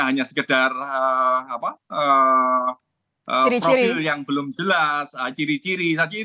hanya sekedar profil yang belum jelas ciri ciri